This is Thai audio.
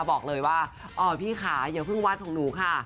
บอกเลยว่าพี่ขาเดี๋ยวเพิ่งวัดของหนูค่ะ